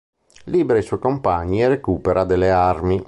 Libera i suoi compagni e recupera delle armi.